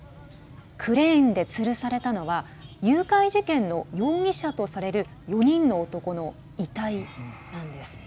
クレーンでつるされたのは誘拐事件の容疑者とされる４人の男の遺体なんです。